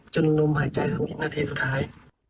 จนลุมหายใจสองอีกนาทีสุดท้าย